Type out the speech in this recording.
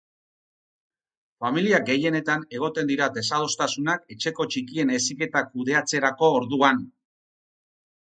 Familia gehienetan egoten dira desadostasunak etxeko txikien heziketa kudeatzerako orduan.